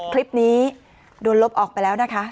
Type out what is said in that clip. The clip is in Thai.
คลิปนี้โดนลบออกไปแล้วนะคะ